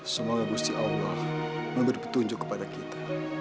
semoga gusti allah memberi petunjuk kepada kita